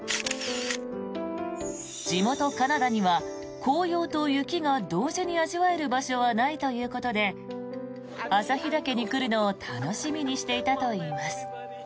地元カナダには紅葉と雪が同時に味わえる場所はないということで旭岳に来るのを楽しみにしていたといいます。